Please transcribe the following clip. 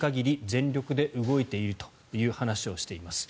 全力で動いているという話をしています。